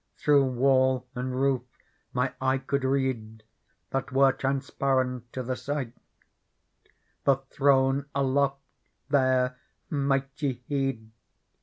Through wall and roof my eye could read. That were transparent to the sight ; The throne aloft there might ye heed.